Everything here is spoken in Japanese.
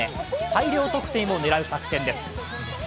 大量得点を狙う作戦です。